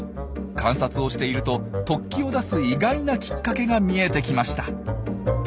観察をしていると突起を出す意外なきっかけが見えてきました。